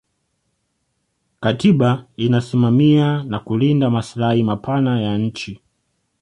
katiba inasimamia na kulinda maslahi mapana ya nchi